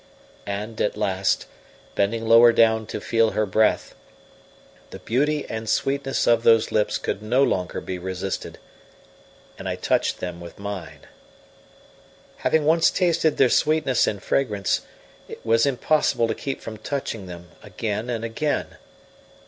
And, at last, bending lower down to feel her breath, the beauty and sweetness of those lips could no longer be resisted, and I touched them with mine. Having once tasted their sweetness and fragrance, it was impossible to keep from touching them again and again.